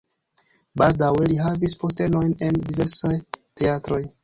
Baldaŭe li havis postenojn en diversaj teatroj.